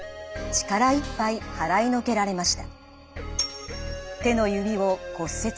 力いっぱい払いのけられました。